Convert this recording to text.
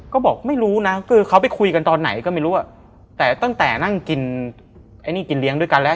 ก็บอกไม่รู้นะคือเขาไปคุยกันตอนไหนก็ไม่รู้อ่ะแต่ตั้งแต่นั่งกินไอ้นี่กินเลี้ยงด้วยกันแล้ว